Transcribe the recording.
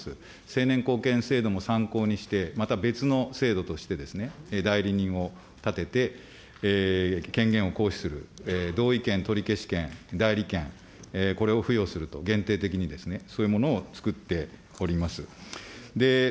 成年後見制度も参考にして、また別の制度としてですね、代理人を立てて、権限を行使する、同意見、取消権、代理権、これを付与すると、限定的にですね、そういうものを作っております。